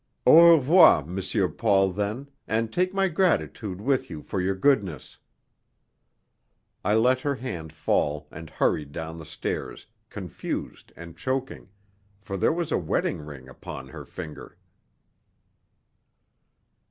"Au revoir, Monsieur Paul, then, and take my gratitude with you for your goodness." I let her hand fall and hurried down the stairs, confused and choking, for there was a wedding ring upon her finger.